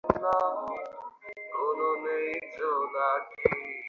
ও আমাদের দানবটার হাত থেকে বাঁচিয়েছে, তাই না?